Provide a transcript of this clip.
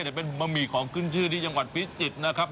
เดี๋ยวเป็นบะหมี่ของขึ้นชื่อที่จังหวัดพิจิตรนะครับ